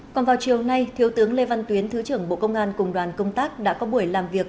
còn vào chiều nay thiếu tướng lê văn tuyến thứ trưởng bộ công an cùng đoàn công tác đã có buổi làm việc